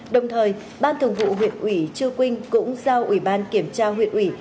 đồng thời ban thường vụ huyện ủy chư quynh cũng giao ủy ban kiểm tra huyện ủy